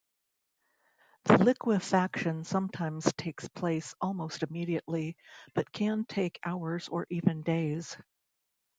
The liquefaction sometimes takes place almost immediately, but can take hours or even days.